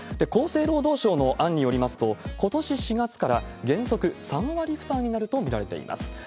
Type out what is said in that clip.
厚生労働省の案によりますと、ことし４月から原則３割負担になると見られています。